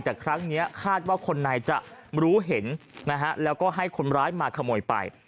แต่ครั้งนี้คาดว่าคนในจะรู้เห็นนะฮะแล้วก็ให้คนร้ายมาขโมยไป